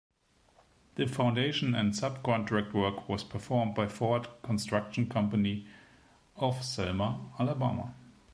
The foundation and sub-contract work was performed by Ford Construction Company of Selma, Alabama.